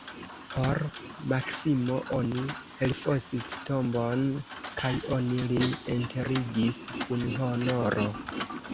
Por Maksimo oni elfosis tombon kaj oni lin enterigis kun honoro.